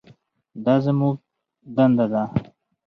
دا زموږ دنده ده.